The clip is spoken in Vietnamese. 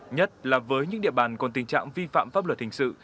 nhất là với những địa bàn còn tình trạng vi phạm pháp luật hình sự